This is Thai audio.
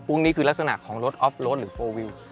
อุ้งนี้คือลักษณะของรถออฟโลดหรือ๔วิว